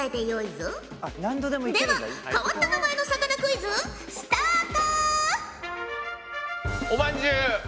では変わった名前の魚クイズスタート！